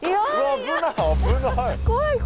危ない！